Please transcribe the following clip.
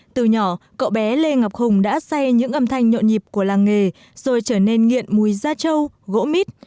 từ nhỏ cậu bé lê ngọc hùng đã say những âm thanh nhộn nhịp của làng nghề rồi trở nên nghiện mùi gia trâu gỗ mít